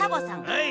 はい！